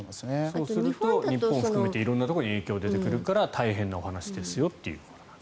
そうすると日本を含め色々なところに影響が出てくるから大変なお話ですよということですね。